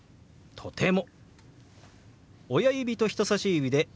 「とても」。